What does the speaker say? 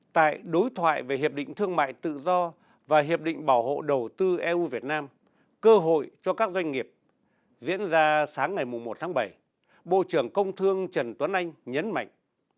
tại đối thoại về hiệp định thương mại tự do và hiệp định bảo hộ đầu tư eu việt nam cơ hội cho các doanh nghiệp diễn ra sáng ngày một tháng bảy bộ trưởng công thương trần tuấn anh nhấn mạnh